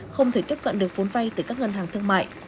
không thể tiếp cận được vốn vay từ các ngân hàng thương mại